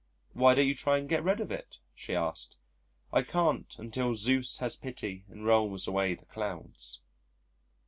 "Why don't you try and get rid of it?" she asked. "I can't until Zeus has pity and rolls away the clouds."